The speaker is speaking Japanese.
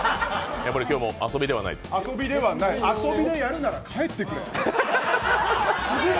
遊びではない、遊びでやるなら帰ってくれ！